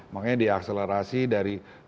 makanya diakselerasi dari